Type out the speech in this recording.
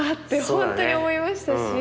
本当に思いましたし。